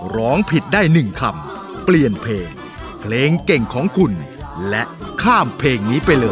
ร้องผิดได้๑คำเปลี่ยนเพลงเพลงเก่งของคุณและข้ามเพลงนี้ไปเลย